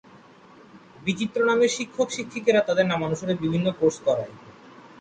বিচিত্র নামের শিক্ষক-শিক্ষিকারা তাদের নামানুসারে বিভিন্ন কোর্স করায়।